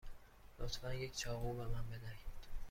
لطفا یک چاقو به من بدهید.